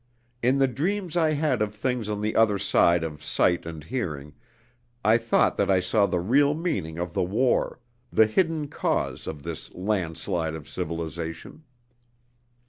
In the dreams I had of things on the other side of sight and hearing, I thought that I saw the real meaning of the war the hidden cause of this landslide of civilization.